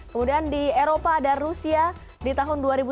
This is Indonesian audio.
kemudian di eropa ada rusia di tahun dua ribu tujuh belas